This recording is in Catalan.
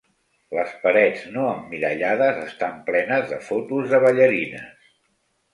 Les parets no emmirallades estan plenes de fotos de ballarines.